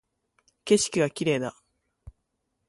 景色が綺麗だ